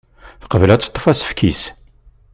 Teqbel ad teṭṭef asefk-is.